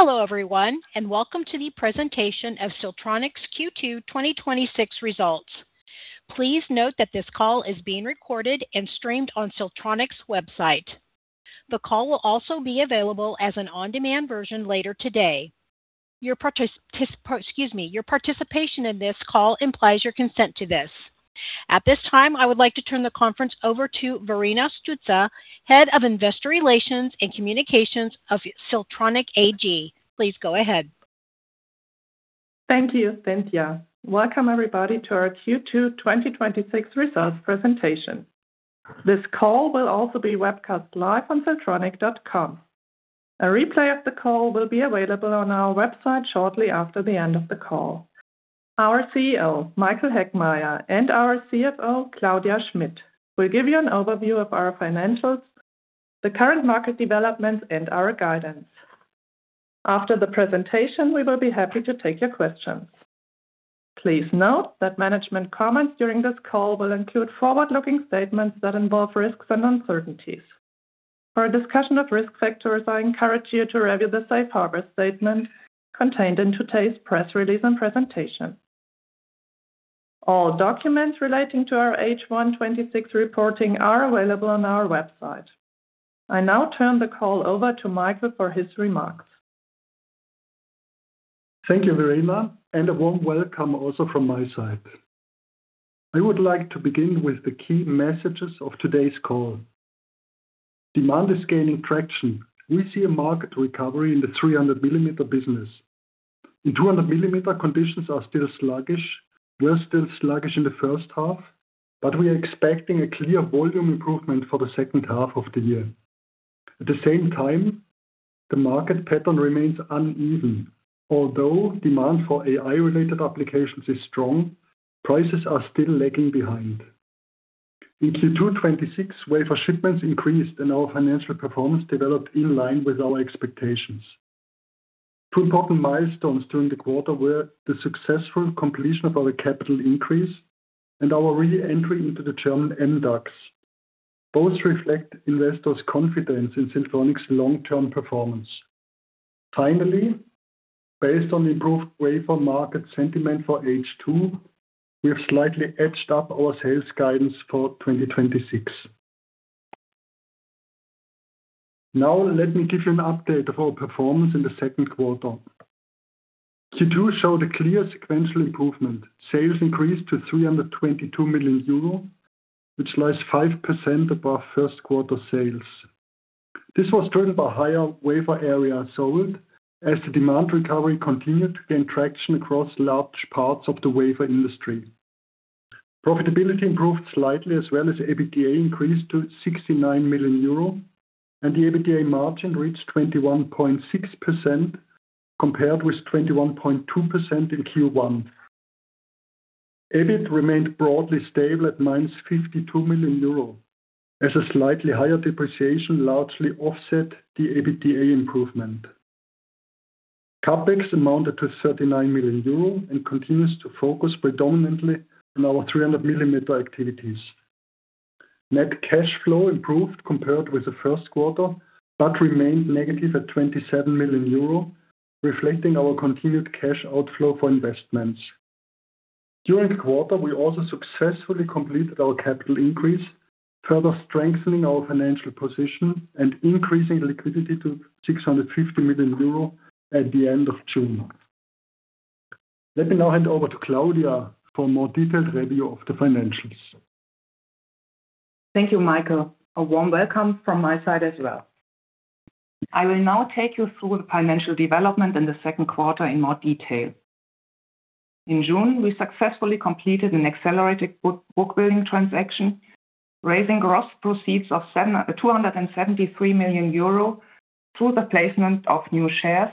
Hello, everyone, and welcome to the presentation of Siltronic's Q2 2026 results. Please note that this call is being recorded and streamed on siltronic.com. The call will also be available as an on-demand version later today. Your participation in this call implies your consent to this. At this time, I would like to turn the conference over to Verena Stütze, Head of Investor Relations & Communications of Siltronic AG. Please go ahead. Thank you, Cynthia. Welcome everybody to our Q2 2026 results presentation. This call will also be webcast live on siltronic.com. A replay of the call will be available on our website shortly after the end of the call. Our CEO, Michael Heckmeier, and our CFO, Claudia Schmitt, will give you an overview of our financials, the current market developments, and our guidance. After the presentation, we will be happy to take your questions. Please note that management comments during this call will include forward-looking statements that involve risks and uncertainties. For a discussion of risk factors, I encourage you to review the safe harbor statement contained in today's press release and presentation. All documents relating to our H1 2026 reporting are available on our website. I now turn the call over to Michael for his remarks. Thank you, Verena, and a warm welcome also from my side. I would like to begin with the key messages of today's call. Demand is gaining traction. We see a market recovery in the 300 mm business. In 200 mm, conditions were still sluggish in the first half, but we are expecting a clear volume improvement for the second half of the year. At the same time, the market pattern remains uneven. Although demand for AI-related applications is strong, prices are still lagging behind. In Q2 2026, wafer shipments increased, and our financial performance developed in line with our expectations. Two important milestones during the quarter were the successful completion of our capital increase and our re-entry into the German MDAX. Both reflect investors' confidence in Siltronic's long-term performance. Finally, based on improved wafer market sentiment for H2, we have slightly edged up our sales guidance for 2026. Now let me give you an update of our performance in the second quarter. Q2 showed a clear sequential improvement. Sales increased to 322 million euro, which lies 5% above first quarter sales. Profitability improved slightly as well as EBITDA increased to 69 million euro and the EBITDA margin reached 21.6% compared with 21.2% in Q1. EBIT remained broadly stable at -52 million euro as a slightly higher depreciation largely offset the EBITDA improvement. CapEx amounted to 39 million euro and continues to focus predominantly on our 300 mm activities. Net cash flow improved compared with the first quarter, but remained negative at 27 million euro, reflecting our continued cash outflow for investments. During the quarter, we also successfully completed our capital increase, further strengthening our financial position and increasing liquidity to 650 million euro at the end of June. Let me now hand over to Claudia for a more detailed review of the financials. Thank you, Michael. A warm welcome from my side as well. I will now take you through the financial development in the second quarter in more detail. In June, we successfully completed an accelerated book building transaction, raising gross proceeds of 273 million euro through the placement of new shares,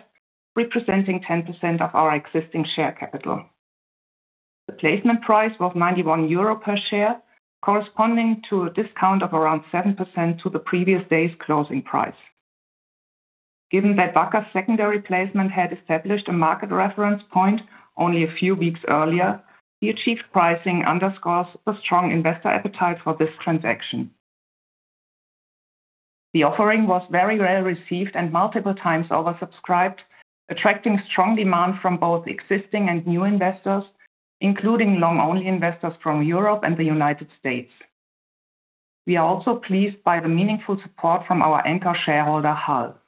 representing 10% of our existing share capital. The placement price was 91 euro per share, corresponding to a discount of around 7% to the previous day's closing price. Given that Wacker's secondary placement had established a market reference point only a few weeks earlier, the achieved pricing underscores the strong investor appetite for this transaction. The offering was very well received and multiple times oversubscribed, attracting strong demand from both existing and new investors, including long-only investors from Europe and the United States. We are also pleased by the meaningful support from our anchor shareholder, HAL Trust.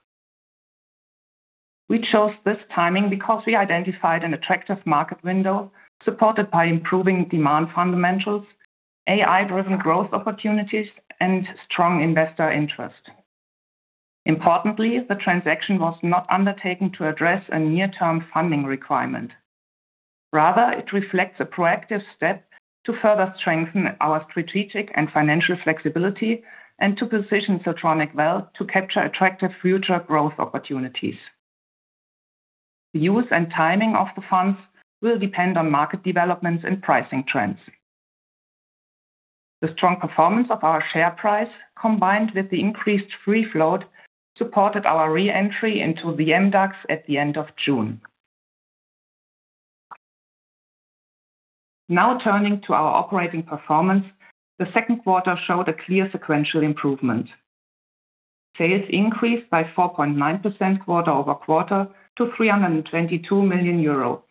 We chose this timing because we identified an attractive market window supported by improving demand fundamentals, AI-driven growth opportunities, and strong investor interest. Importantly, the transaction was not undertaken to address a near-term funding requirement. Rather, it reflects a proactive step to further strengthen our strategic and financial flexibility and to position Siltronic well to capture attractive future growth opportunities. The use and timing of the funds will depend on market developments and pricing trends. The strong performance of our share price, combined with the increased free float, supported our re-entry into the MDAX at the end of June. Now turning to our operating performance. The second quarter showed a clear sequential improvement. Sales increased by 4.9% quarter-over-quarter to 322 million euro.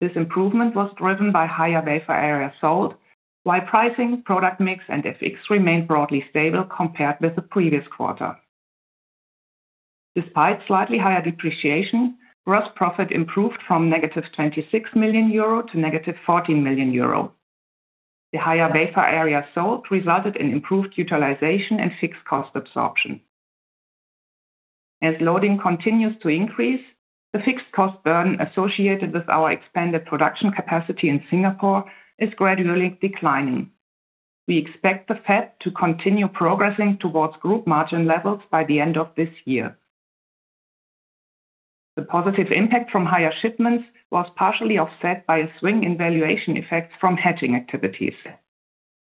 This improvement was driven by higher wafer areas sold, while pricing, product mix, and FX remained broadly stable compared with the previous quarter. Despite slightly higher depreciation, gross profit improved from -26 million euro to -14 million euro. The higher wafer areas sold resulted in improved utilization and fixed cost absorption. As loading continues to increase, the fixed cost burn associated with our expanded production capacity in Singapore is gradually declining. We expect the fab to continue progressing towards group margin levels by the end of this year. The positive impact from higher shipments was partially offset by a swing in valuation effects from hedging activities.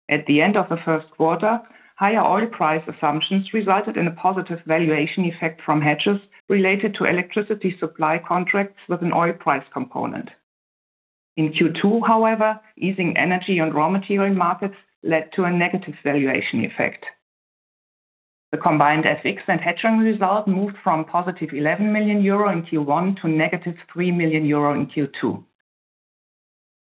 At the end of the first quarter, higher oil price assumptions resulted in a positive valuation effect from hedges related to electricity supply contracts with an oil price component. In Q2, however, easing energy and raw material markets led to a negative valuation effect. The combined FX and hedging result moved from positive 11 million euro in Q1 to -3 million euro in Q2.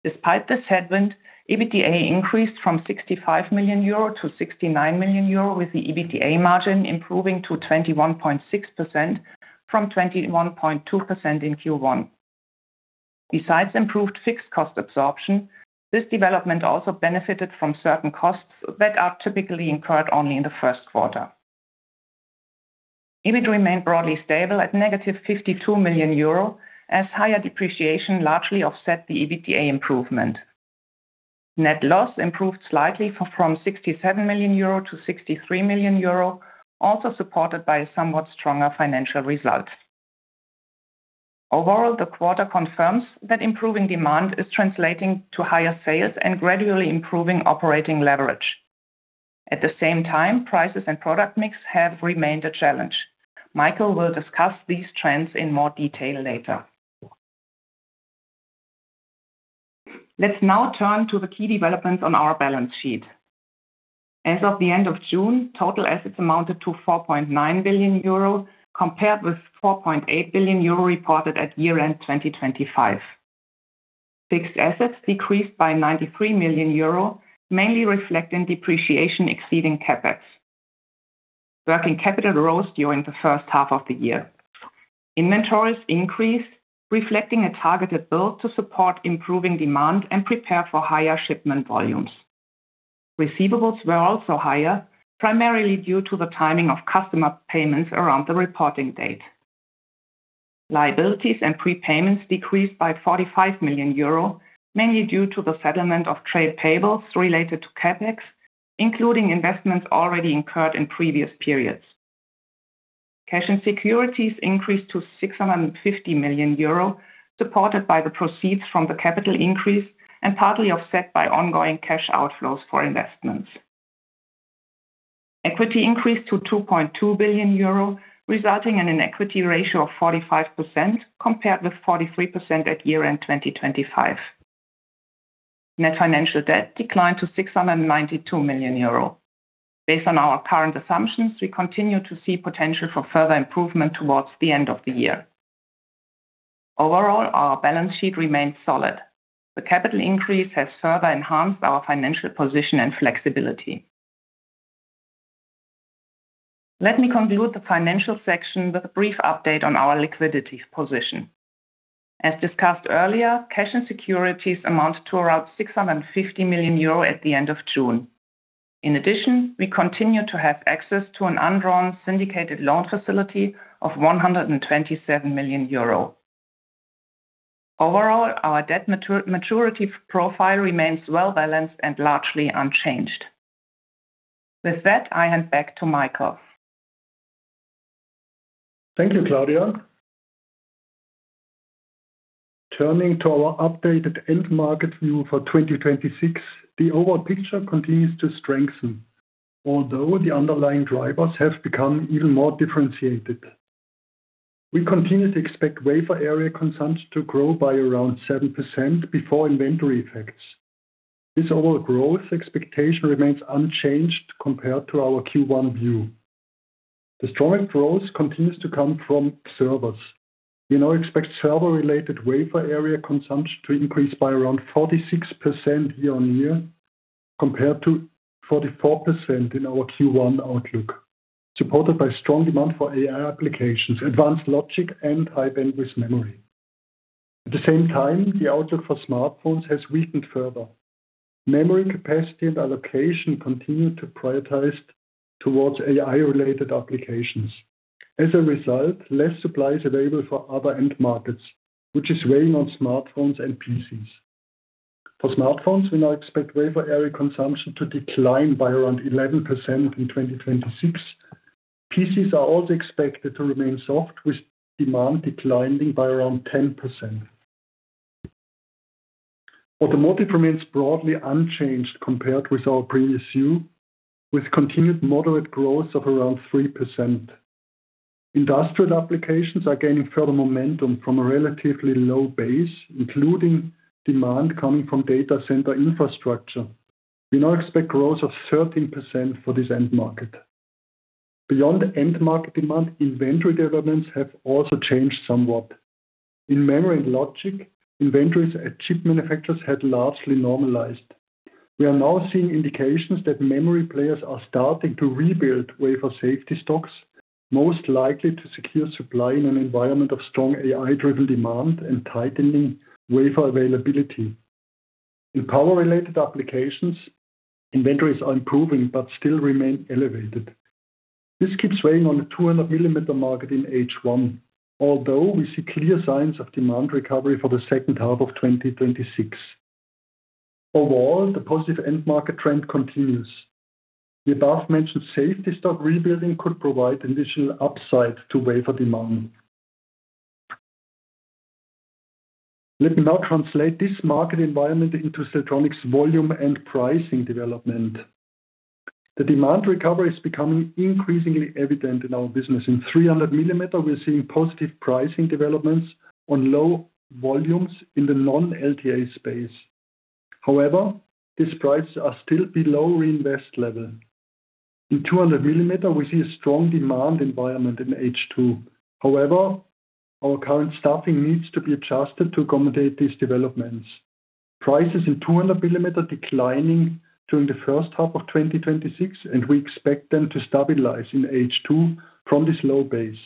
Despite this headwind, EBITDA increased from 65 million-69 million euro, with the EBITDA margin improving to 21.6% from 21.2% in Q1. Besides improved fixed cost absorption, this development also benefited from certain costs that are typically incurred only in the first quarter. EBIT remained broadly stable at -52 million euro, as higher depreciation largely offset the EBITDA improvement. Net loss improved slightly from 67 million-63 million euro, also supported by a somewhat stronger financial result. Overall, the quarter confirms that improving demand is translating to higher sales and gradually improving operating leverage. At the same time, prices and product mix have remained a challenge. Michael will discuss these trends in more detail later. Let's now turn to the key developments on our balance sheet. As of the end of June, total assets amounted to 4.9 billion euro, compared with 4.8 billion euro reported at year-end 2025. Fixed assets decreased by 93 million euro, mainly reflecting depreciation exceeding CapEx. Working capital rose during the first half of the year. Inventories increased, reflecting a targeted build to support improving demand and prepare for higher shipment volumes. Receivables were also higher, primarily due to the timing of customer payments around the reporting date. Liabilities and prepayments decreased by 45 million euro, mainly due to the settlement of trade payables related to CapEx, including investments already incurred in previous periods. Cash and securities increased to 650 million euro, supported by the proceeds from the capital increase and partly offset by ongoing cash outflows for investments. Equity increased to 2.2 billion euro, resulting in an equity ratio of 45%, compared with 43% at year-end 2025. Net financial debt declined to 692 million euro. Based on our current assumptions, we continue to see potential for further improvement towards the end of the year. Overall, our balance sheet remains solid. The capital increase has further enhanced our financial position and flexibility. Let me conclude the financial section with a brief update on our liquidity position. As discussed earlier, cash and securities amount to around 650 million euro at the end of June. In addition, we continue to have access to an undrawn syndicated loan facility of 127 million euro. Overall, our debt maturity profile remains well-balanced and largely unchanged. With that, I hand back to Michael. Thank you, Claudia. Turning to our updated end market view for 2026. The overall picture continues to strengthen, although the underlying drivers have become even more differentiated. We continue to expect wafer area consumption to grow by around 7% before inventory effects. This overall growth expectation remains unchanged compared to our Q1 view. The strong growth continues to come from servers. We now expect server-related wafer area consumption to increase by around 46% year-on-year, compared to 44% in our Q1 outlook, supported by strong demand for AI applications, advanced logic, and high-bandwidth memory. At the same time, the outlook for smartphones has weakened further. Memory capacity and allocation continue to prioritize towards AI-related applications. As a result, less supply is available for other end markets, which is weighing on smartphones and PCs. For smartphones, we now expect wafer area consumption to decline by around 11% in 2026. PCs are also expected to remain soft, with demand declining by around 10%. Automotive remains broadly unchanged compared with our previous view, with continued moderate growth of around 3%. Industrial applications are gaining further momentum from a relatively low base, including demand coming from data center infrastructure. We now expect growth of 13% for this end market. Beyond end market demand, inventory developments have also changed somewhat. In memory and logic, inventories at chip manufacturers had largely normalized. We are now seeing indications that memory players are starting to rebuild wafer safety stocks, most likely to secure supply in an environment of strong AI-driven demand and tightening wafer availability. In power-related applications, inventories are improving but still remain elevated. This keeps weighing on the 200 mm market in H1, although we see clear signs of demand recovery for the second half of 2026. Overall, the positive end market trend continues. The above-mentioned safety stock rebuilding could provide additional upside to wafer demand. Let me now translate this market environment into Siltronic's volume and pricing development. The demand recovery is becoming increasingly evident in our business. In 300 mm, we're seeing positive pricing developments on low volumes in the non-LTA space. However, these prices are still below reinvest level. In 200 mm, we see a strong demand environment in H2. However, our current staffing needs to be adjusted to accommodate these developments. Prices in 200 mm declining during the first half of 2026, and we expect them to stabilize in H2 from this low base.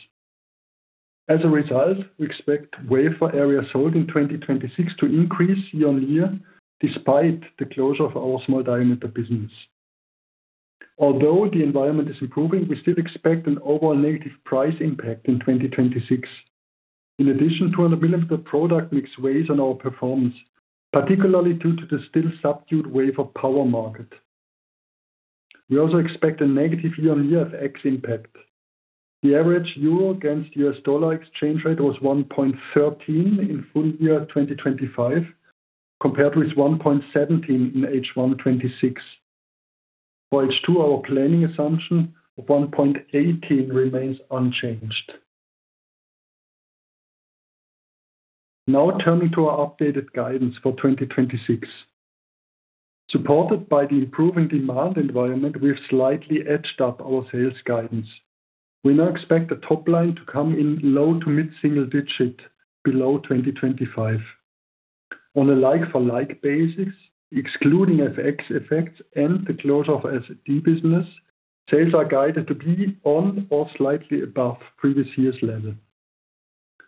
As a result, we expect wafer areas sold in 2026 to increase year-on-year despite the closure of our small diameter business. Although the environment is improving, we still expect an overall negative price impact in 2026. In addition, 200 mm product mix weighs on our performance, particularly due to the still subdued wafer power market. We also expect a negative year-on-year FX impact. The average euro against US dollar exchange rate was 1.13 in full year 2025, compared with 1.17 in H1 2026. For H2, our planning assumption of 1.18 remains unchanged. Now turning to our updated guidance for 2026. Supported by the improving demand environment, we have slightly edged up our sales guidance. We now expect the top line to come in low to mid-single digit below 2025. On a like for like basis, excluding FX effects and the close of SD business, sales are guided to be on or slightly above previous year's level.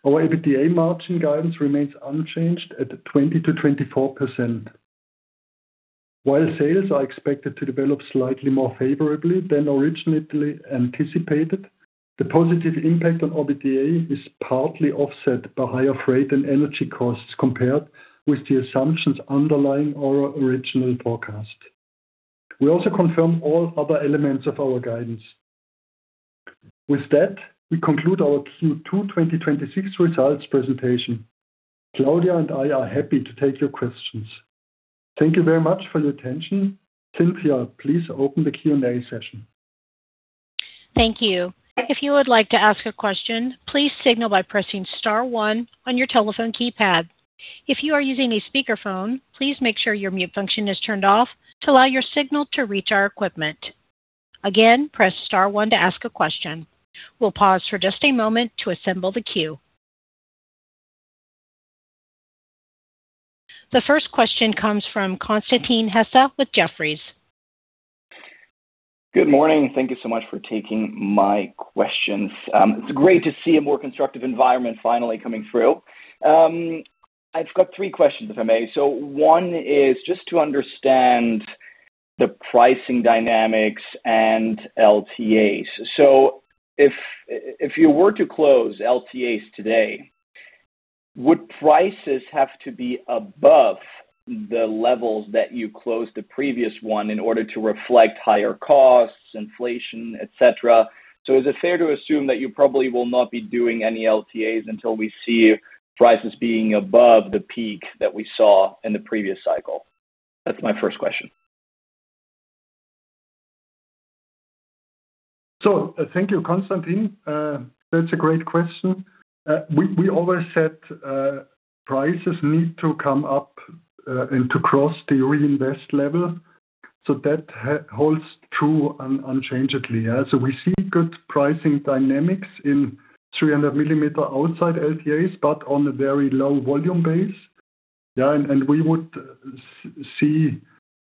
Our EBITDA margin guidance remains unchanged at 20%-24%. While sales are expected to develop slightly more favorably than originally anticipated, the positive impact on EBITDA is partly offset by higher freight and energy costs compared with the assumptions underlying our original forecast. We also confirm all other elements of our guidance. With that, we conclude our Q2 2026 results presentation. Claudia and I are happy to take your questions. Thank you very much for your attention. Cynthia, please open the Q&A session. Thank you. If you would like to ask a question, please signal by pressing star one on your telephone keypad. If you are using a speakerphone, please make sure your mute function is turned off to allow your signal to reach our equipment. Again, press star one to ask a question. We'll pause for just a moment to assemble the queue. The first question comes from Constantin Hesse with Jefferies. Good morning. Thank you so much for taking my questions. It's great to see a more constructive environment finally coming through. I've got three questions, if I may. One is just to understand the pricing dynamics and LTAs. If you were to close LTAs today, would prices have to be above the levels that you closed the previous one in order to reflect higher costs, inflation, et cetera? Is it fair to assume that you probably will not be doing any LTAs until we see prices being above the peak that we saw in the previous cycle? That's my first question. Thank you, Constantin. That's a great question. We always said prices need to come up and to cross the reinvest level. That holds true unchangeably. We see good pricing dynamics in 300 mm outside LTAs, but on a very low volume base. We would see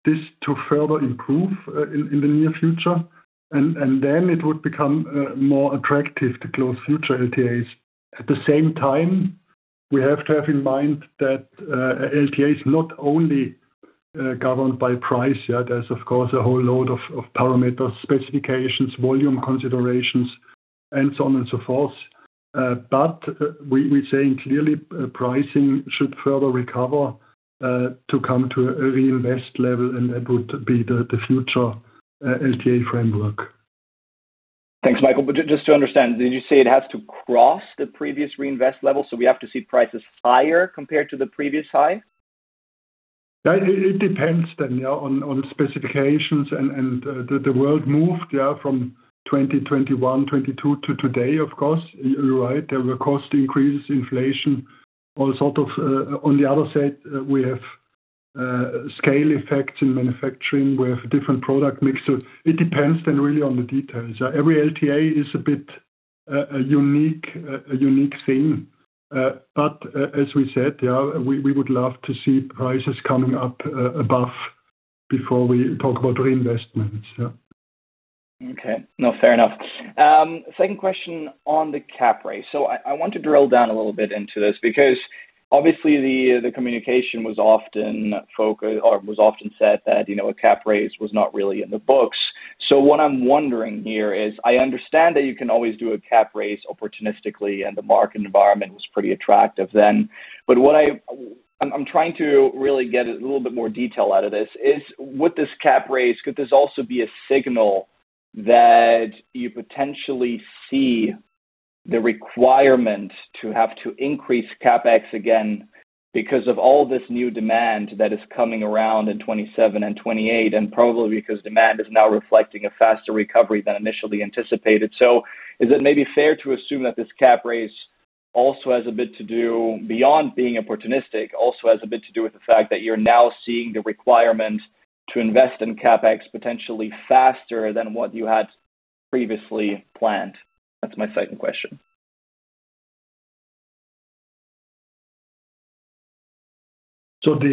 this to further improve in the near future. Then it would become more attractive to close future LTAs. At the same time, we have to have in mind that LTA is not only governed by price. There's of course, a whole load of parameters, specifications, volume considerations, and so on and so forth. We're saying clearly pricing should further recover to come to a reinvest level, and that would be the future LTA framework. Thanks, Michael. Just to understand, did you say it has to cross the previous reinvest level? We have to see prices higher compared to the previous high? It depends then on specifications and the world moved from 2021, 2022 to today, of course. You're right. There were cost increases, inflation. On the other side, we have scale effects in manufacturing. We have different product mix. It depends then really on the details. Every LTA is a bit a unique thing. As we said, we would love to see prices coming up above before we talk about reinvestments. Okay. No, fair enough. Second question on the capital raise. I want to drill down a little bit into this because obviously the communication was often said that a capital raise was not really in the books. What I'm wondering here is, I understand that you can always do a capital raise opportunistically and the market environment was pretty attractive then. What I'm trying to really get a little bit more detail out of this is, with this capital raise, could this also be a signal that you potentially see the requirement to have to increase CapEx again because of all this new demand that is coming around in 2027 and 2028, and probably because demand is now reflecting a faster recovery than initially anticipated. Is it maybe fair to assume that this capital raise also has a bit to do, beyond being opportunistic, also has a bit to do with the fact that you're now seeing the requirement to invest in CapEx potentially faster than what you had previously planned? That's my second question. Thank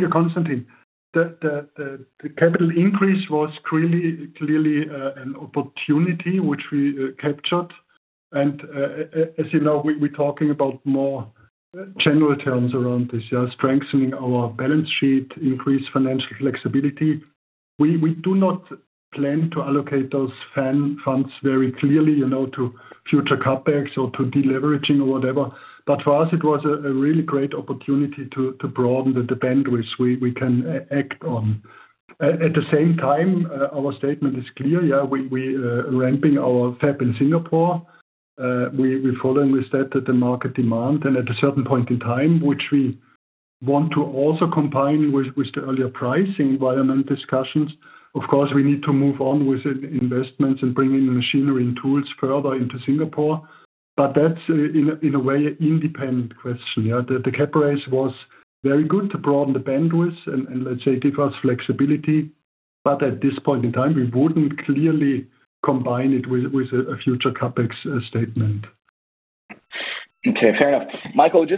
you, Constantin. The capital increase was clearly an opportunity which we captured. As you know, we're talking about more general terms around this. Strengthening our balance sheet, increase financial flexibility. We do not plan to allocate those funds very clearly to future CapEx or to deleveraging or whatever. For us, it was a really great opportunity to broaden the bandwidth we can act on. At the same time, our statement is clear. We are ramping our fab in Singapore. We're following with that the market demand and at a certain point in time, which we want to also combine with the earlier pricing environment discussions. Of course, we need to move on with investments and bring in the machinery and tools further into Singapore. That's, in a way, an independent question. The capital raise was very good to broaden the bandwidth and let's say give us flexibility. At this point in time, we wouldn't clearly combine it with a future Capex statement. Okay, fair enough. Michael, if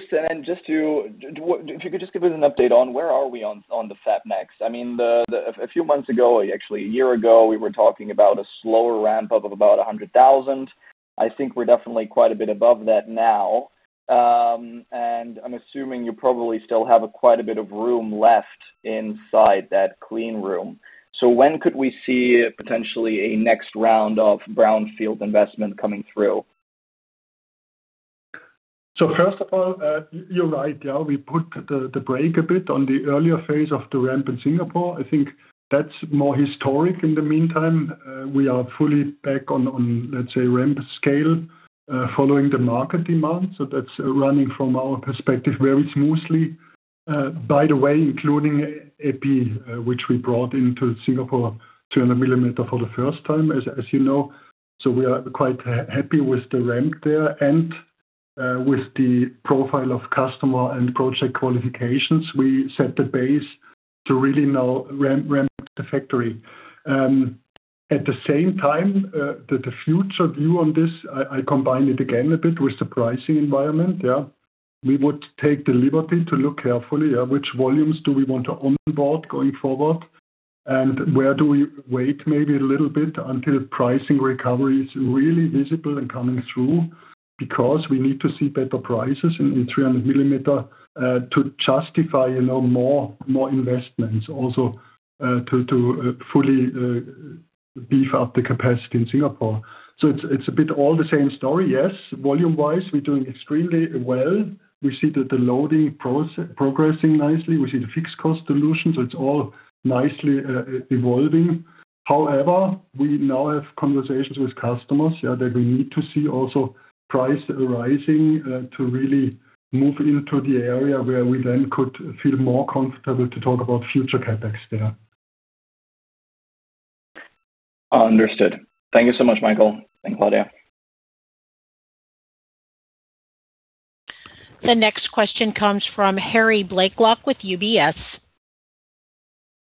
you could just give us an update on where are we on the FabNext? A few months ago, actually a year ago, we were talking about a slower ramp-up of about 100,000. I think we're definitely quite a bit above that now. I'm assuming you probably still have quite a bit of room left inside that clean room. When could we see potentially a next round of brownfield investment coming through? First of all, you're right. We put the brake a bit on the earlier phase of the ramp in Singapore. I think that's more historic. In the meantime, we are fully back on, let's say, ramp scale, following the market demand. That's running from our perspective very smoothly. By the way, including epi, which we brought into Singapore, 200 mm for the first time, as you know. We are quite happy with the ramp there and with the profile of customer and project qualifications. We set the base to really now ramp the factory. At the same time, the future view on this, I combine it again a bit with the pricing environment. We would take the liberty to look carefully at which volumes do we want to onboard going forward, and where do we wait maybe a little bit until pricing recovery is really visible and coming through. Because we need to see better prices in the 300 mm to justify more investments also to fully beef up the capacity in Singapore. It's a bit all the same story. Yes, volume-wise, we're doing extremely well. We see that the loading progressing nicely. We see the fixed cost dilution. It's all nicely evolving. However, we now have conversations with customers that we need to see also price rising to really move into the area where we then could feel more comfortable to talk about future Capex there. Understood. Thank you so much, Michael. Thank you, Claudia. The next question comes from Harry Blaiklock with UBS.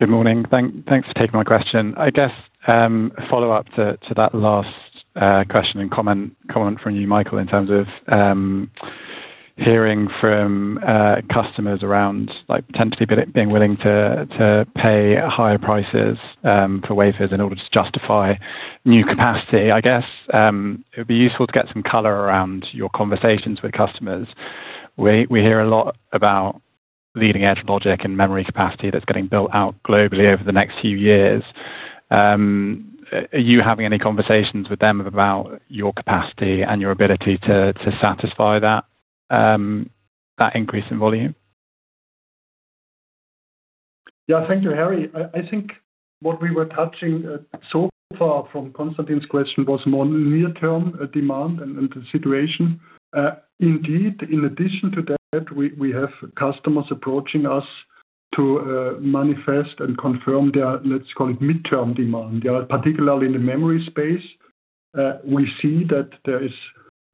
Good morning. Thanks for taking my question. I guess, a follow-up to that last question and comment from you, Michael, in terms of hearing from customers around potentially being willing to pay higher prices for wafers in order to justify new capacity. I guess it would be useful to get some color around your conversations with customers. We hear a lot about leading-edge logic and memory capacity that's getting built out globally over the next few years. Are you having any conversations with them about your capacity and your ability to satisfy that increase in volume? Yeah. Thank you, Harry. I think what we were touching so far from Constantin's question was more near-term demand and situation. Indeed, in addition to that, we have customers approaching us to manifest and confirm their, let's call it midterm demand. Particularly in the memory space, we see that there is,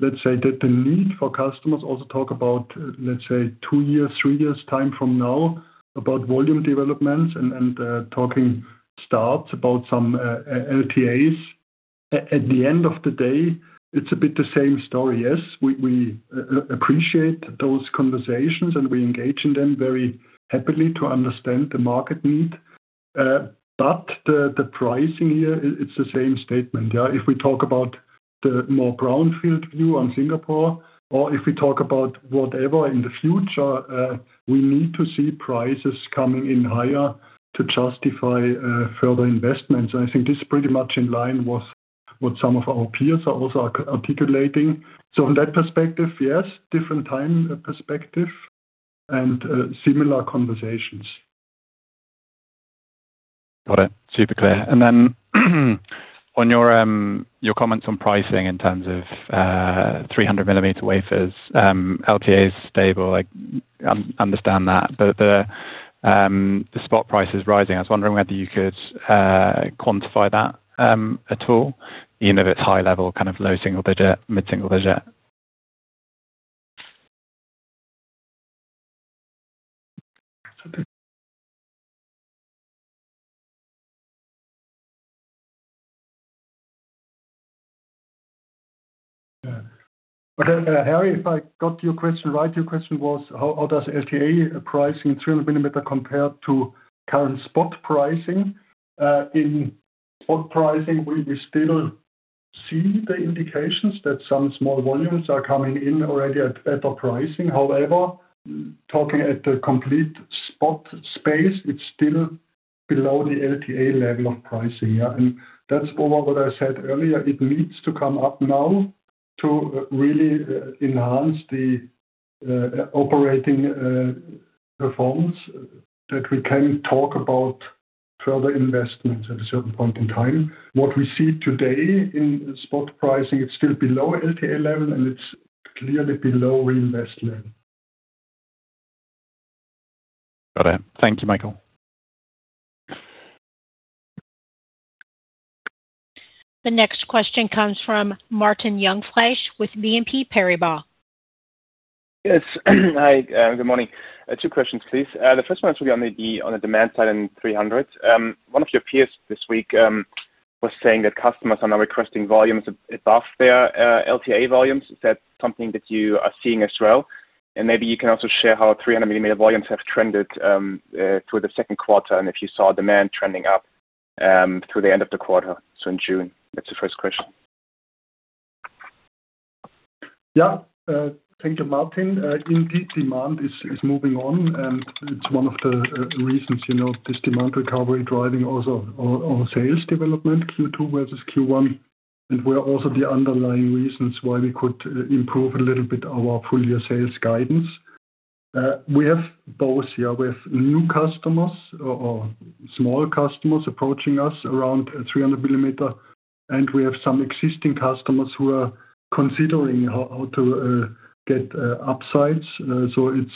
let's say, that the need for customers also talk about, let's say, two years, three years time from now about volume developments and talking starts about some LTAs. At the end of the day, it's a bit the same story. Yes, we appreciate those conversations, and we engage in them very happily to understand the market need. The pricing here, it's the same statement. If we talk about the more brownfield view on Singapore, or if we talk about whatever in the future, we need to see prices coming in higher to justify further investments. I think this is pretty much in line with what some of our peers are also articulating. From that perspective, yes, different time perspective and similar conversations. Got it. Super clear. On your comments on pricing in terms of 300 mm wafers, LTAs stable. I understand that, but the spot price is rising. I was wondering whether you could quantify that at all, even if it's high level, low single-digit, mid-single-digit. Harry, if I got your question right, your question was, how does LTA pricing in 300 mm compare to current spot pricing? In spot pricing, we still see the indications that some small volumes are coming in already at better pricing. However, talking at the complete spot space, it's still below the LTA level of pricing. That's what I said earlier. It needs to come up now to really enhance the operating performance that we can talk about further investments at a certain point in time. What we see today in spot pricing, it's still below LTA level, and it's clearly below reinvest level. Got it. Thank you, Michael. The next question comes from Martin Jungfleisch with BNP Paribas. Yes. Hi, good morning. Two questions, please. The first one is on the demand side in 300. One of your peers this week was saying that customers are now requesting volumes above their LTA volumes. Is that something that you are seeing as well? Maybe you can also share how 300 mm volumes have trended through the second quarter, and if you saw demand trending up through the end of the quarter, so in June. That's the first question. Yeah. Thank you, Martin. Indeed, demand is moving on, and it's one of the reasons this demand recovery driving also our sales development Q2 versus Q1, and were also the underlying reasons why we could improve a little bit our full year sales guidance. We have both. We have new customers or small customers approaching us around 300 mm, and we have some existing customers who are considering how to get upsides. It's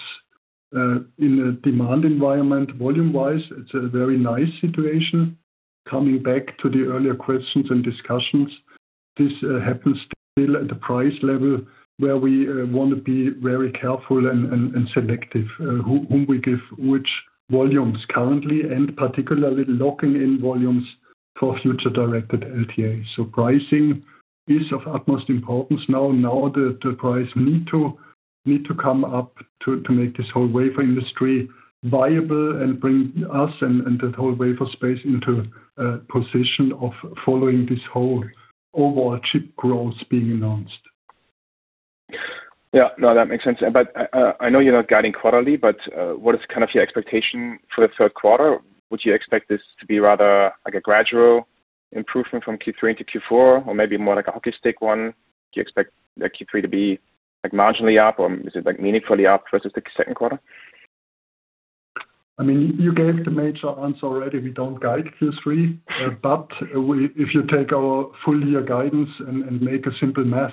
in a demand environment. Volume-wise, it's a very nice situation. Coming back to the earlier questions and discussions, this happens still at the price level where we want to be very careful and selective whom we give which volumes currently, and particularly locking in volumes for future-directed LTA. Pricing is of utmost importance. Now the price need to come up to make this whole wafer industry viable and bring us and that whole wafer space into a position of following this whole overall chip growth being announced. I know you're not guiding quarterly, but what is your expectation for the third quarter? Would you expect this to be rather like a gradual improvement from Q3 into Q4, or maybe more like a hockey stick one? Do you expect Q3 to be marginally up, or is it meaningfully up versus the second quarter? You gave the major answer already. We don't guide Q3. If you take our full year guidance and make a simple math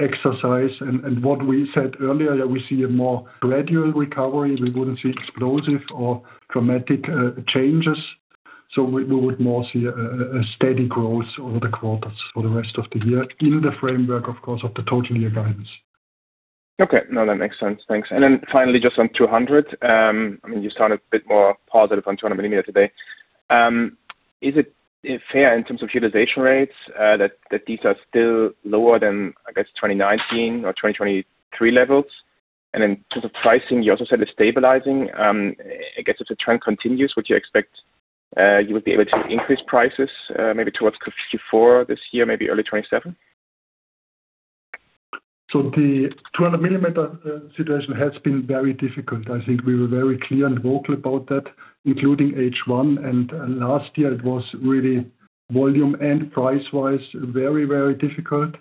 exercise and what we said earlier, we see a more gradual recovery. We wouldn't see explosive or dramatic changes. We would more see a steady growth over the quarters for the rest of the year in the framework, of course, of the total year guidance. Okay. No, that makes sense. Thanks. Then finally, just on 200. You sound a bit more positive on 200 mm today. Is it fair in terms of utilization rates that these are still lower than, I guess, 2019 or 2023 levels? In terms of pricing, you also said it's stabilizing. I guess if the trend continues, would you expect you would be able to increase prices maybe towards Q4 this year, maybe early 2027? The 200 mm situation has been very difficult. I think we were very clear and vocal about that, including H1. Last year it was really volume and price-wise, very, very difficult.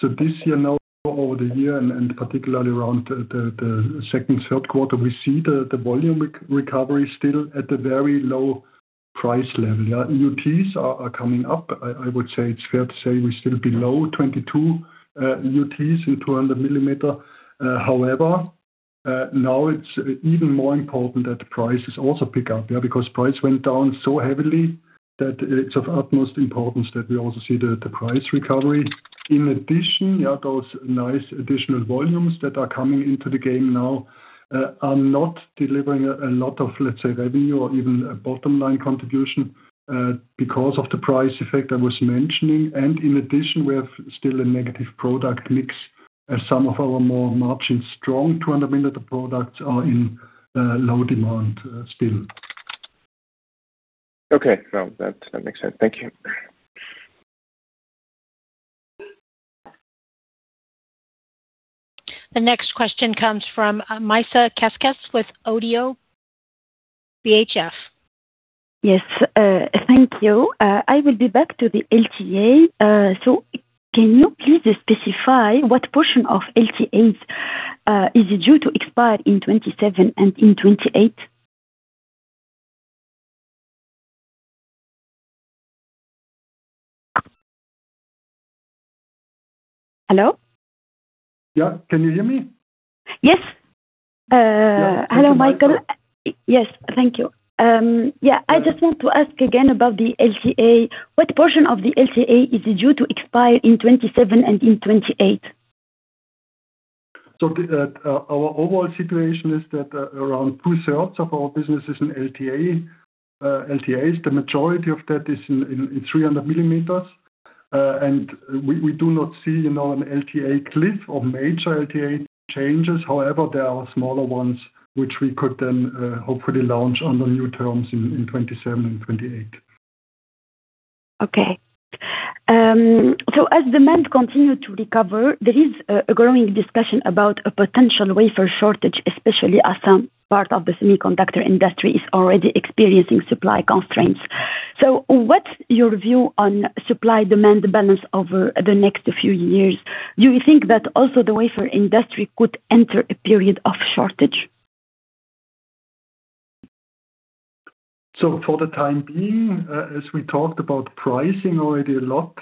This year now over the year, and particularly around the second, third quarter, we see the volume recovery still at a very low price level. UTs are coming up. I would say it's fair to say we're still below 2022 UTs in 200 mm. However, now it's even more important that the prices also pick up, because price went down so heavily that it's of utmost importance that we also see the price recovery. In addition, those nice additional volumes that are coming into the game now are not delivering a lot of, let's say, revenue or even a bottom-line contribution because of the price effect I was mentioning. In addition, we have still a negative product mix as some of our more margin strong 200 mm products are in low demand still. Okay. No, that makes sense. Thank you. The next question comes from Maissa Keskes with ODDO BHF. Yes. Thank you. I will be back to the LTA. Can you please specify what portion of LTAs is due to expire in 2027 and in 2028? Hello? Yeah. Can you hear me? Yes. Yeah. Hello, Michael. Yes. Thank you. I just want to ask again about the LTA. What portion of the LTA is due to expire in 2027 and in 2028? Our overall situation is that around two-thirds of our business is in LTAs. The majority of that is in 300 mm. We do not see an LTA cliff or major LTA changes. However, there are smaller ones which we could then hopefully launch under new terms in 2027 and 2028. Okay. As demand continue to recover, there is a growing discussion about a potential wafer shortage, especially as some part of the semiconductor industry is already experiencing supply constraints. What's your view on supply-demand balance over the next few years? Do you think that also the wafer industry could enter a period of shortage? For the time being, as we talked about pricing already a lot,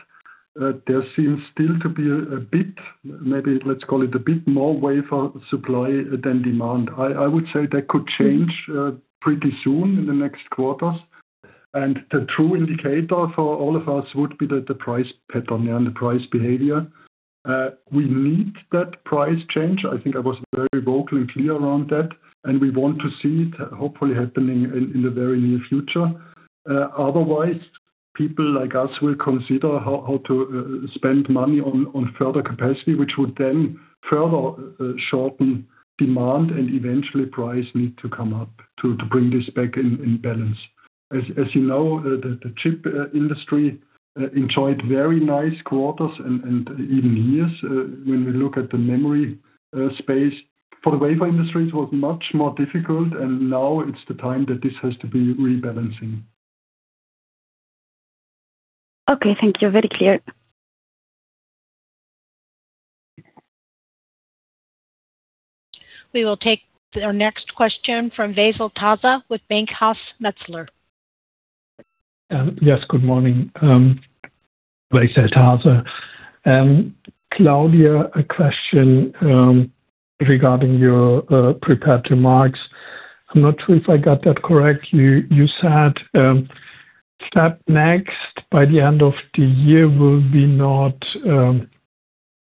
there seems still to be a bit, maybe let's call it a bit more wafer supply than demand. I would say that could change pretty soon in the next quarters. The true indicator for all of us would be the price pattern and the price behavior. We need that price change. I think I was very vocal and clear around that, and we want to see it hopefully happening in the very near future. Otherwise, people like us will consider how to spend money on further capacity, which would then further shorten demand and eventually price need to come up to bring this back in balance. As you know, the chip industry enjoyed very nice quarters and even years, when we look at the memory space. For the wafer industries, it was much more difficult, and now it's the time that this has to be rebalancing. Okay, thank you. Very clear. We will take our next question from Veysel Taze with Bankhaus Metzler. Yes, good morning. Veysel Taze. Claudia, a question regarding your prepared remarks. I'm not sure if I got that correctly. You said that by the end of the year,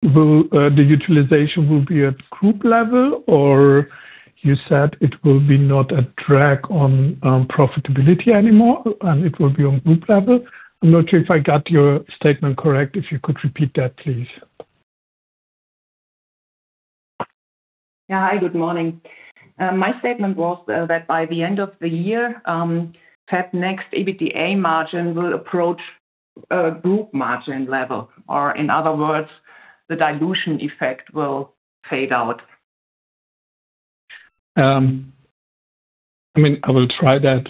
the utilization will be at group level, or you said it will be not a drag on profitability anymore, and it will be on group level. I'm not sure if I got your statement correct. If you could repeat that, please. Yeah. Hi, good morning. My statement was that by the end of the year, FabNext EBITDA margin will approach group margin level, or in other words, the dilution effect will fade out. I will try that.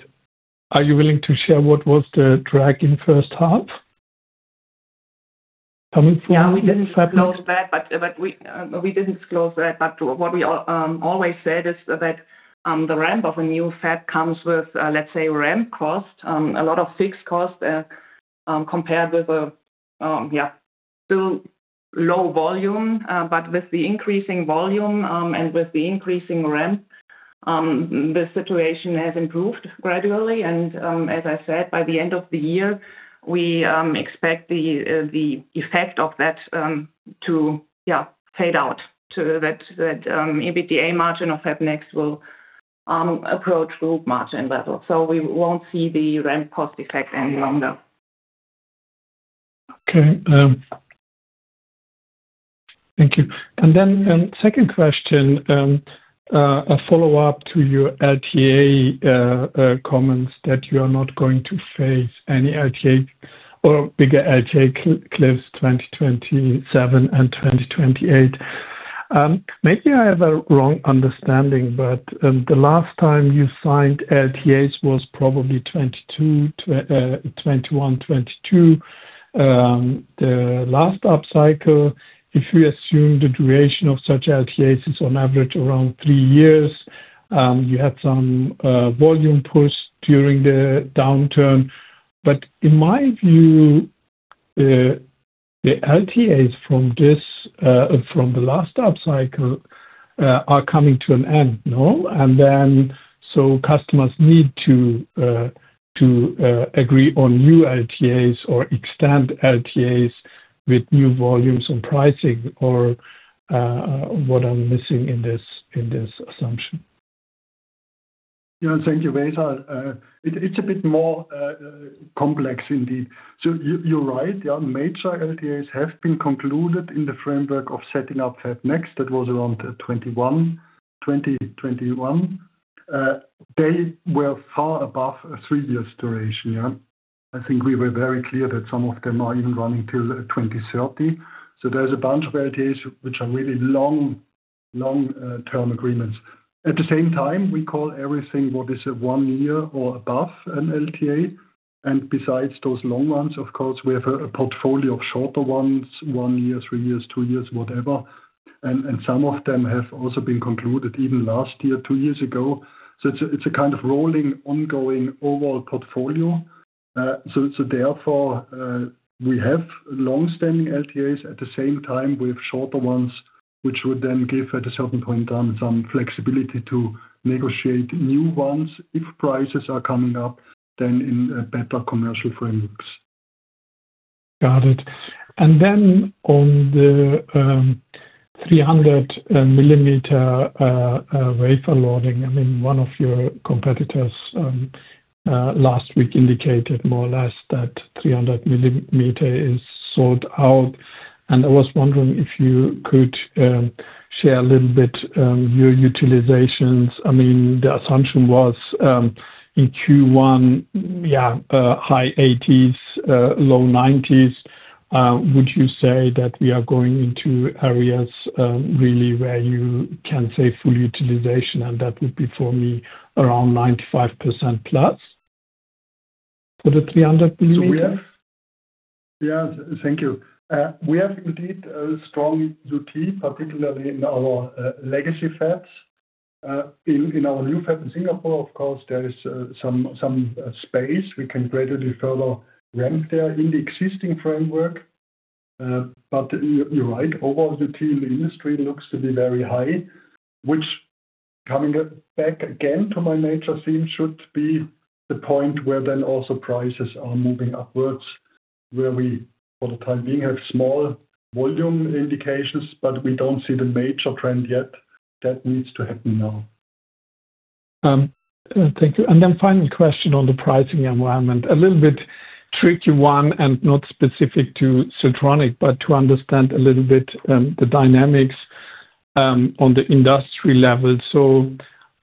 Are you willing to share what was the drag in first half coming from FabNext? Yeah, we didn't disclose that. What we always said is that the ramp of a new fab comes with, let's say, ramp cost. A lot of fixed costs compared with a still low volume. With the increasing volume, and with the increasing ramp, the situation has improved gradually, and as I said, by the end of the year, we expect the effect of that to fade out. That EBITDA margin of FabNext will approach group margin level. We won't see the ramp cost effect any longer. Okay. Thank you. Second question, a follow-up to your LTA comments that you are not going to face any LTA or bigger LTA cliffs 2027 and 2028. Maybe I have a wrong understanding, the last time you signed LTAs was probably 2021, 2022, the last up cycle. If we assume the duration of such LTAs is on average around three years, you had some volume push during the downturn. In my view, the LTAs from the last up cycle are coming to an end, no? Customers need to agree on new LTAs or extend LTAs with new volumes and pricing, or what I'm missing in this assumption? Yeah. Thank you, Veysel. It's a bit more complex, indeed. You're right. Yeah, major LTAs have been concluded in the framework of setting up FabNext. That was around 2020, 2021. They were far above a three years duration. Yeah. I think we were very clear that some of them are even running till 2030. There's a bunch of LTAs which are really long-term agreements. At the same time, we call everything what is a one year or above an LTA. Besides those long ones, of course, we have a portfolio of shorter ones, one year, three years, two years, whatever. Some of them have also been concluded even last year, two years ago. It's a kind of rolling, ongoing overall portfolio. Therefore, we have longstanding LTAs. At the same time, we have shorter ones, which would then give, at a certain point in time, some flexibility to negotiate new ones if prices are coming up then in better commercial frameworks. Got it. On the 300 mm wafer loading, one of your competitors, last week indicated more or less that 300 mm is sold out. I was wondering if you could share a little bit, your utilizations. The assumption was, in Q1, yeah high 80s, low 90s. Would you say that we are going into areas really where you can say full utilization, and that would be for me around 95%+ for the 300 mm? Yeah. Thank you. We have indeed a strong duty, particularly in our legacy fabs. In our new fab in Singapore, of course, there is some space we can gradually further ramp there in the existing framework. You're right, overall duty in the industry looks to be very high, which coming back again to my major theme, should be the point where then also prices are moving upwards, where we, for the time being, have small volume indications, but we don't see the major trend yet. That needs to happen now. Thank you. Then final question on the pricing environment, a little bit tricky one, not specific to Siltronic, but to understand a little bit the dynamics on the industry level.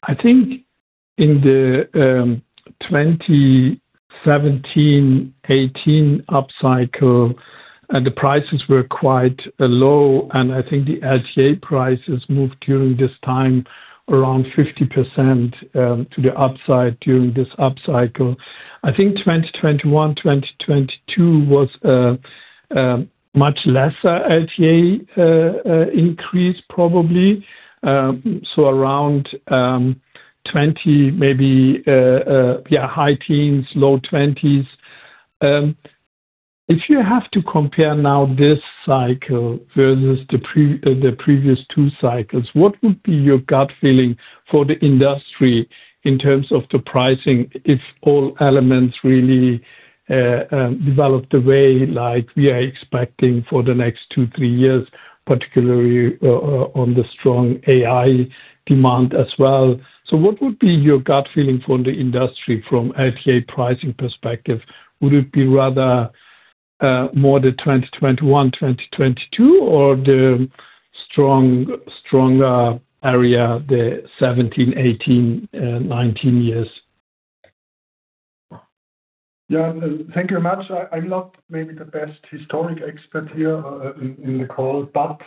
I think in the 2017-2018 up cycle, the prices were quite low, and I think the LTA prices moved during this time around 50% to the upside during this up cycle. I think 2021-2022 was a much lesser LTA increase, probably, around 20%, maybe, high teens, low 20s. If you have to compare now this cycle versus the previous two cycles, what would be your gut feeling for the industry in terms of the pricing, if all elements really develop the way like we are expecting for the next two, three years, particularly on the strong AI demand as well? What would be your gut feeling for the industry from LTA pricing perspective? Would it be rather more the 2021-2022 or the stronger area, the 2017, 2018, 2019 years? Yeah. Thank you much. I'm not maybe the best historic expert here in the call, but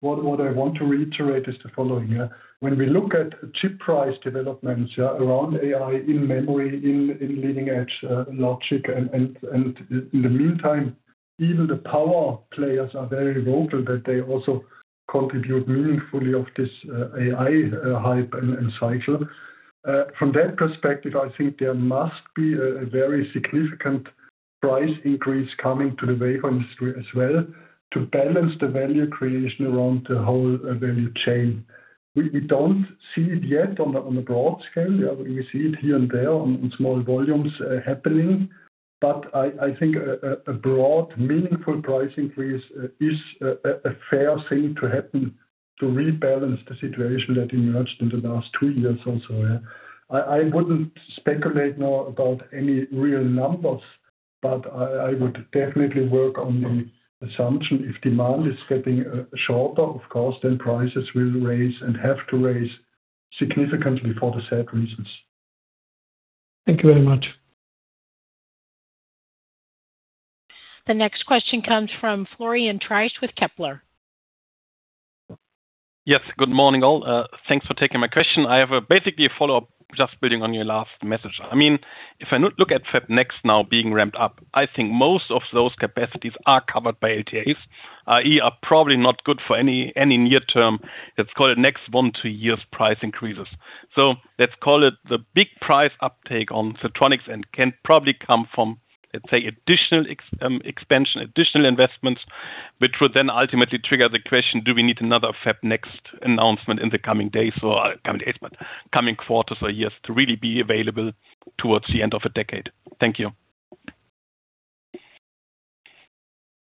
what I want to reiterate is the following. When we look at chip price developments around AI in memory, in leading edge logic, and in the meantime, even the power players are very vocal that they also contribute meaningfully of this AI hype and cycle. From that perspective, I think there must be a very significant price increase coming to the wafer industry as well to balance the value creation around the whole value chain. We don't see it yet on a broad scale. We see it here and there on small volumes happening. I think a broad, meaningful price increase is a fair thing to happen to rebalance the situation that emerged in the last two years also. I wouldn't speculate now about any real numbers, but I would definitely work on the assumption, if demand is getting shorter, of course, then prices will raise and have to raise significantly for the said reasons. Thank you very much. The next question comes from Florian Treisch with Kepler. Yes. Good morning, all. Thanks for taking my question. I have basically a follow-up, just building on your last message. If I look at FabNext now being ramped up, I think most of those capacities are covered by LTAs, i.e., are probably not good for any near term, let's call it next one, two years price increases. Let's call it the big price uptake on Siltronic and can probably come from, let's say, additional expansion, additional investments, which would then ultimately trigger the question, do we need another FabNext announcement in the coming days or coming quarters or years to really be available towards the end of a decade? Thank you.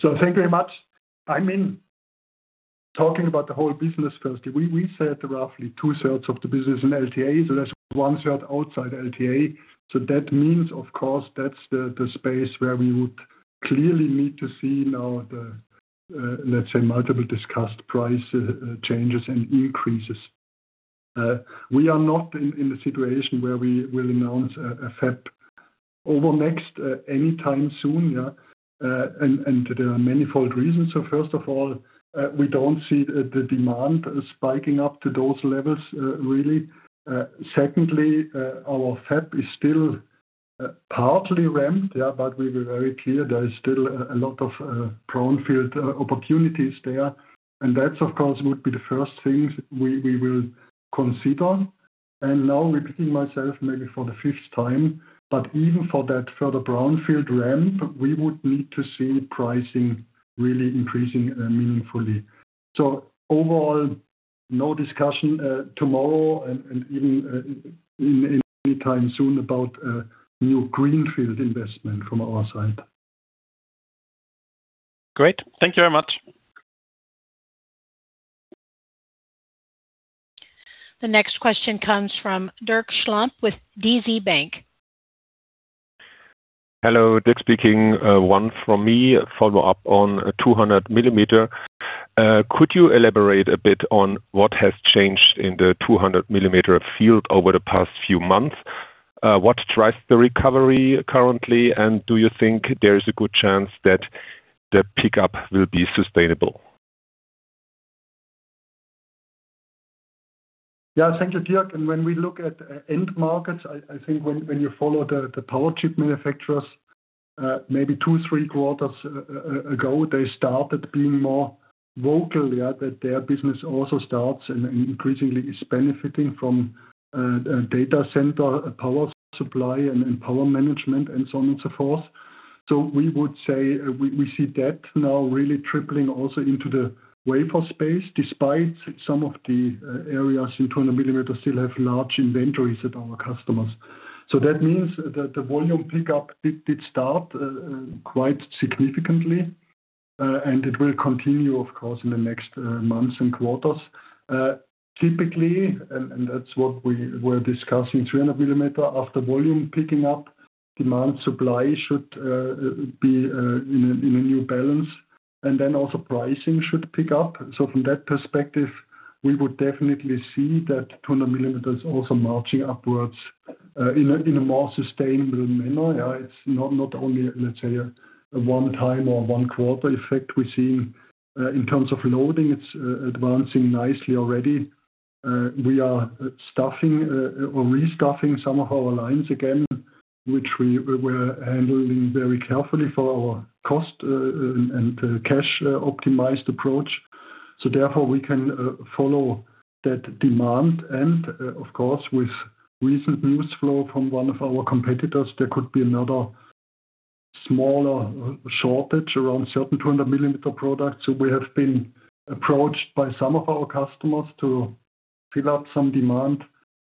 Thank you very much. Talking about the whole business firstly, we said roughly 2/3 of the business in LTA, that's one-third outside LTA. That means, of course, that's the space where we would clearly need to see now the, let's say, multiple discussed price changes and increases. We are not in the situation where we will announce a FabNext anytime soon. There are manifold reasons. First of all, we don't see the demand spiking up to those levels, really. Secondly, our fab is still partly ramped, but we were very clear there is still a lot of brownfield opportunities there. That, of course, would be the first things we will consider. Now repeating myself maybe for the fifth time, but even for that further brownfield ramp, we would need to see pricing really increasing meaningfully. Overall, no discussion tomorrow and even anytime soon about a new greenfield investment from our side. Great. Thank you very much. The next question comes from Dirk Schlamp with DZ Bank. Hello, Dirk speaking. One from me, a follow-up on 200 mm. Could you elaborate a bit on what has changed in the 200 mm field over the past few months? What drives the recovery currently, and do you think there is a good chance that the pickup will be sustainable? Yeah. Thank you, Dirk. When we look at end markets, I think when you follow the power chip manufacturers, maybe two, three quarters ago, they started being more vocal. That their business also starts and increasingly is benefiting from data center, power supply, and power management, and so on and so forth. We would say we see that now really tripling also into the wafer space, despite some of the areas in 200 mm still have large inventories at our customers. That means that the volume pickup did start quite significantly, and it will continue, of course, in the next months and quarters. Typically, and that's what we were discussing, 300 mm, after volume picking up, demand supply should be in a new balance. Then also pricing should pick up. From that perspective, we would definitely see that 200 mm also marching upwards in a more sustainable manner. It's not only, let's say, a one-time or one-quarter effect. We're seeing in terms of loading, it's advancing nicely already. We are stuffing or restuffing some of our lines again, which we were handling very carefully for our cost and cash-optimized approach. Therefore, we can follow that demand. Of course, with recent news flow from one of our competitors, there could be another smaller shortage around certain 200 mm products. We have been approached by some of our customers to fill up some demand,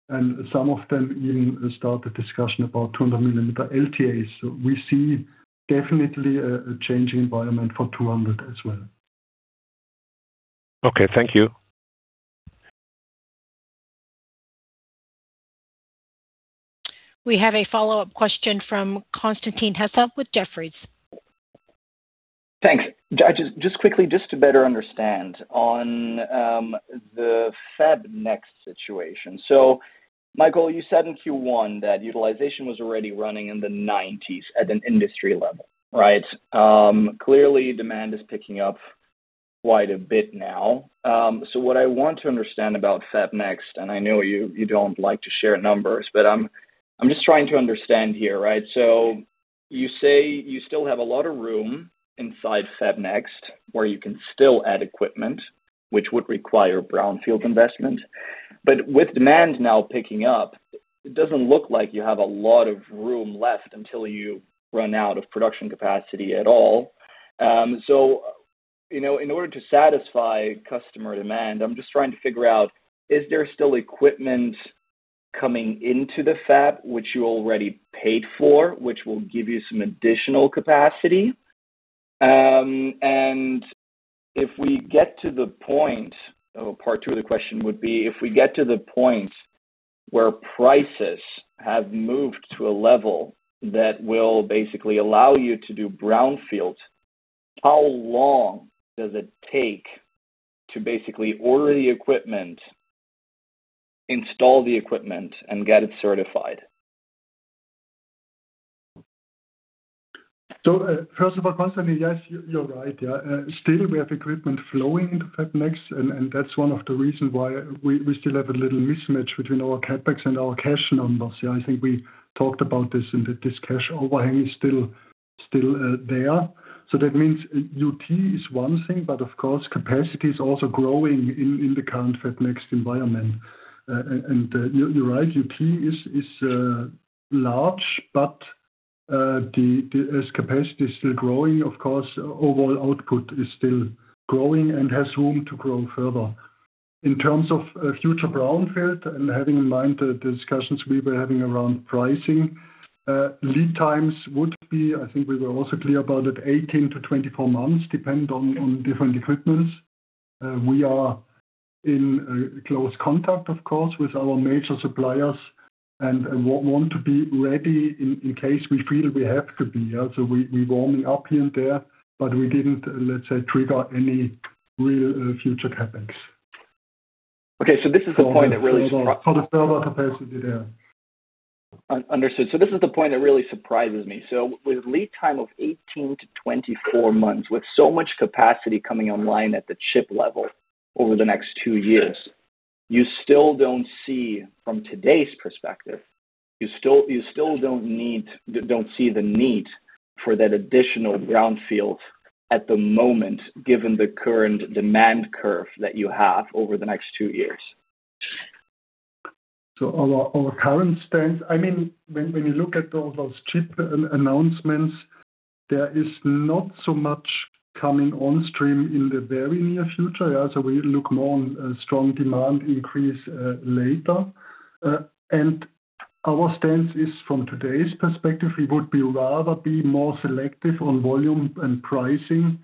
and some of them even started discussion about 200 mm LTAs. We see definitely a changing environment for 200 as well. Okay. Thank you. We have a follow-up question from Constantin Hesse with Jefferies. Thanks. Just quickly, just to better understand on the FabNext situation. Michael, you said in Q1 that utilization was already running in the 90s at an industry level, right? Clearly, demand is picking up quite a bit now. What I want to understand about FabNext, and I know you don't like to share numbers, but I'm just trying to understand here. You say you still have a lot of room inside FabNext where you can still add equipment, which would require brownfield investment. But with demand now picking up, it doesn't look like you have a lot of room left until you run out of production capacity at all. In order to satisfy customer demand, I'm just trying to figure out, is there still equipment coming into the fab which you already paid for, which will give you some additional capacity? If we get to the point, part two of the question would be, if we get to the point where prices have moved to a level that will basically allow you to do brownfield, how long does it take to basically order the equipment install the equipment and get it certified? First of all, Constantin, yes, you're right. Still, we have equipment flowing into FabNext, and that's one of the reasons why we still have a little mismatch between our CapEx and our cash numbers. I think we talked about this, and that this cash overhang is still there. That means UT is one thing, but of course, capacity is also growing in the current FabNext environment. You're right, UT is large, but as capacity is still growing, of course, overall output is still growing and has room to grow further. In terms of future brownfield and having in mind the discussions we were having around pricing, lead times would be, I think we were also clear about it, 18-24 months, depending on different equipments. We are in close contact, of course, with our major suppliers and want to be ready in case we feel we have to be. We're warming up here and there, but we didn't, let's say, trigger any real future CapEx. Okay, this is the point that really. For the further capacity there. Understood. This is the point that really surprises me. With lead time of 18-24 months, with so much capacity coming online at the chip level over the next two years, you still don't see from today's perspective, you still don't see the need for that additional brownfield at the moment, given the current demand curve that you have over the next two years? Our current stance, when we look at all those chip announcements, there is not so much coming on stream in the very near future. We look more on a strong demand increase later. Our stance is from today's perspective, we would rather be more selective on volume and pricing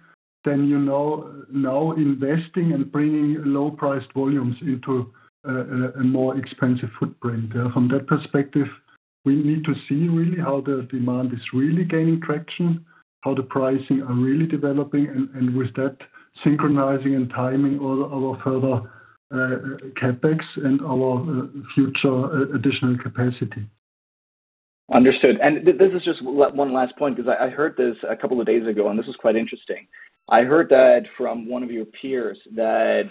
than now investing and bringing low-priced volumes into a more expensive footprint. From that perspective, we need to see really how the demand is really gaining traction, how the pricing are really developing, and with that synchronizing and timing all our further CapEx and our future additional capacity. Understood. This is just one last point, because I heard this a couple of days ago, and this was quite interesting. I heard that from one of your peers that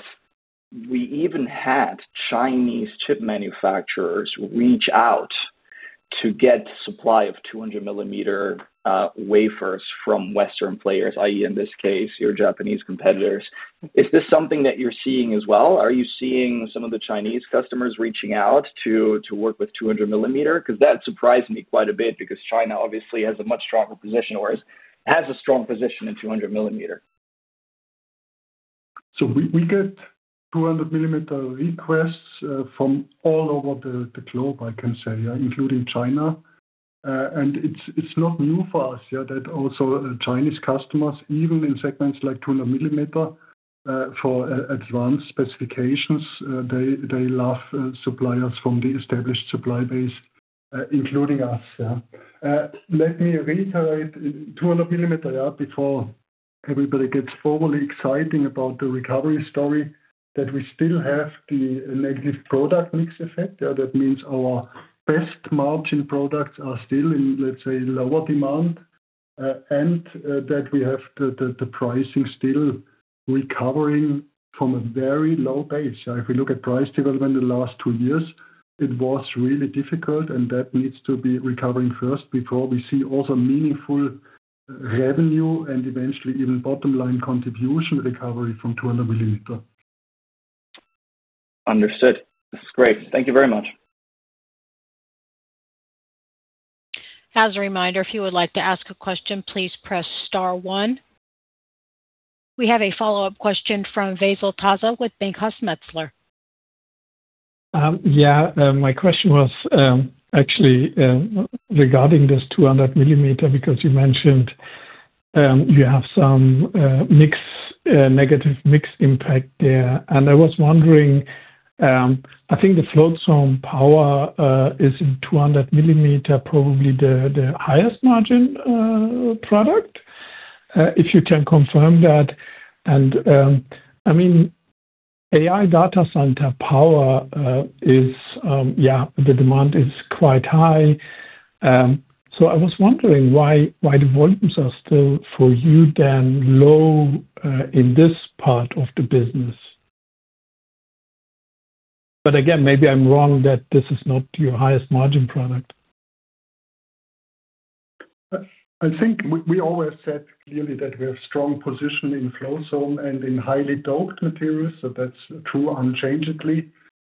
we even had Chinese chip manufacturers reach out to get supply of 200 mm wafers from Western players, i.e. in this case, your Japanese competitors. Is this something that you're seeing as well? Are you seeing some of the Chinese customers reaching out to work with 200 mm? Because that surprised me quite a bit, because China obviously has a much stronger position, or has a strong position in 200 mm. We get 200 mm requests from all over the globe, I can say, including China. It's not new for us, that also Chinese customers, even in segments like 200 mm, for advanced specifications, they love suppliers from the established supply base, including us. Let me reiterate 200 mm, before everybody gets overly exciting about the recovery story, that we still have the negative product mix effect. That means our best margin products are still in, let's say, lower demand, and that we have the pricing still recovering from a very low base. If we look at price development in the last two years, it was really difficult, and that needs to be recovering first before we see also meaningful revenue and eventually even bottom-line contribution recovery from 200 mm. Understood. This is great. Thank you very much. As a reminder, if you would like to ask a question, please press star one. We have a follow-up question from Veysel Taze with Bankhaus Metzler. Yeah. My question was actually regarding this 200 mm, because you mentioned you have some negative mix impact there. I was wondering, I think the float zone power is in 200 mm, probably the highest margin product. If you can confirm that, AI data center power, the demand is quite high. I was wondering why the volumes are still for you then low in this part of the business. Again, maybe I'm wrong that this is not your highest margin product. I think we always said clearly that we have strong position in float zone and in highly doped materials, that's true unchangeably.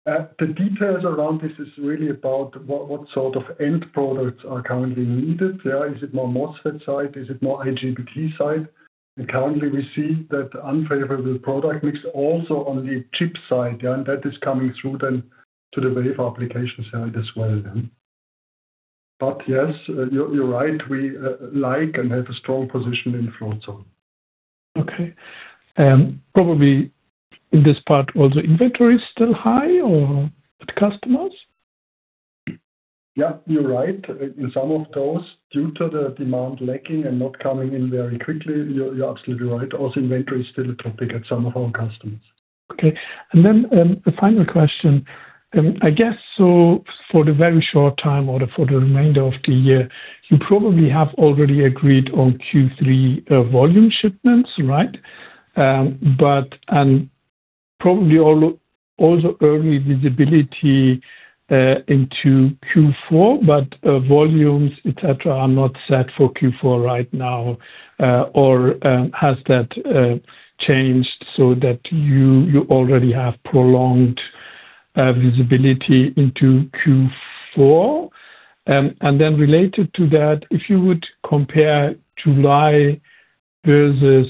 The details around this is really about what sort of end products are currently needed. Is it more MOSFET side? Is it more IGBT side? Currently, we see that unfavorable product mix also on the chip side, and that is coming through then to the wafer application side as well then. Yes, you're right, we like and have a strong position in float zone. Okay. Probably in this part, also inventory is still high or at customers? Yeah, you're right. In some of those, due to the demand lacking and not coming in very quickly, you're absolutely right. Also inventory is still a topic at some of our customers. Okay. The final question, I guess, for the very short time or for the remainder of the year, you probably have already agreed on Q3 volume shipments, right? Probably all the early visibility into Q4, but volumes, et cetera, are not set for Q4 right now. Has that changed so that you already have prolonged visibility into Q4? Related to that, if you would compare July versus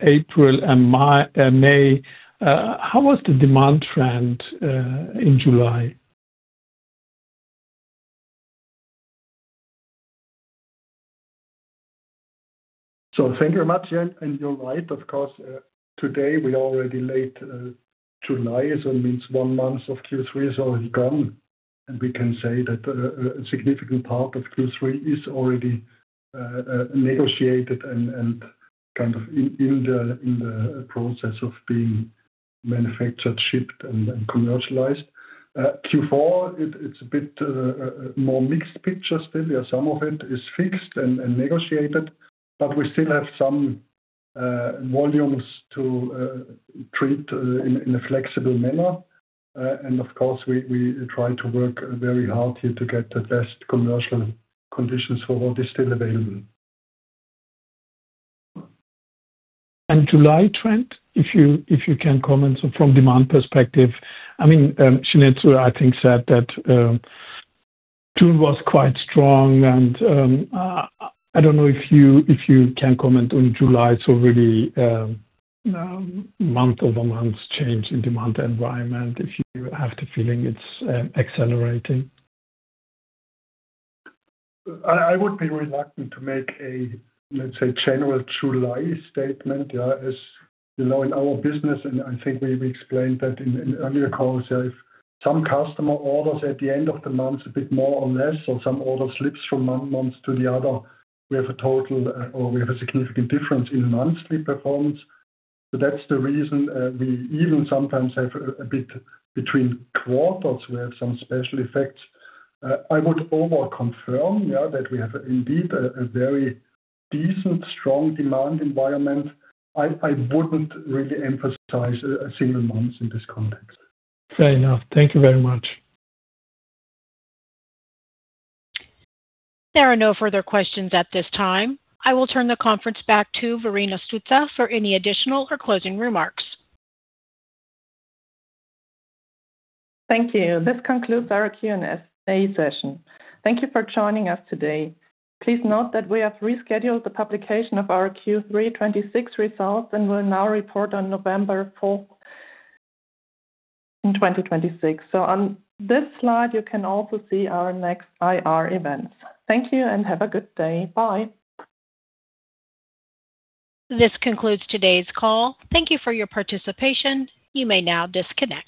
April and May, how was the demand trend in July? Thank you very much. You're right, of course. Today we're already late July, it means one month of Q3 is already gone, we can say that a significant part of Q3 is already negotiated and kind of in the process of being manufactured, shipped, and commercialized. Q4, it's a bit more mixed picture still. Some of it is fixed and negotiated, we still have some volumes to treat in a flexible manner. Of course, we try to work very hard here to get the best commercial conditions for what is still available. July trend, if you can comment from demand perspective. I mean, [Schnitzer] I think said that June was quite strong and I don't know if you can comment on July. Really month-over-month change in demand environment, if you have the feeling it's accelerating. I would be reluctant to make a, let's say, general July statement. As you know, in our business, and I think we explained that in earlier calls, if some customer orders at the end of the month a bit more or less, or some order slips from one month to the other, we have a total or we have a significant difference in monthly performance. That's the reason we even sometimes have a bit between quarters, we have some special effects. I would overall confirm that we have indeed a very decent, strong demand environment. I wouldn't really emphasize a single month in this context. Fair enough. Thank you very much. There are no further questions at this time. I will turn the conference back to Verena Stütze for any additional or closing remarks. Thank you. This concludes our Q&A session. Thank you for joining us today. Please note that we have rescheduled the publication of our Q3 2026 results and will now report on November 4th in 2026. On this slide, you can also see our next IR events. Thank you and have a good day. Bye. This concludes today's call. Thank you for your participation. You may now disconnect.